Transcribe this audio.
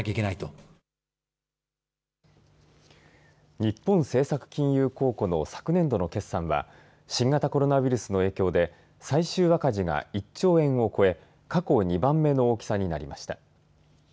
日本政策金融公庫の昨年度の決算は新型コロナウイルスの影響で最終赤字が１兆円を超え過去２番目の大きさになりました。